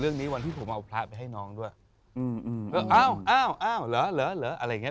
เรื่องนี้วันที่ผมเอาพระไปให้น้องด้วยเอาเอาเอาหรอหรออะไรอย่างเงี้ย